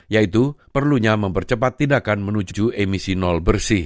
yaitu perlunya mempercepat tindakan menuju emisi nol bersih